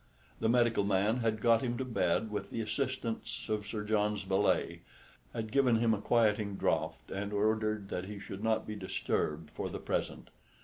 The medical man had got him to bed with the assistance of Sir John's valet, had given him a quieting draught, and ordered that he should not be disturbed for the present.